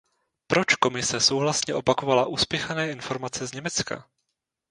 Proč Komise souhlasně opakovala uspěchané informace z Německa?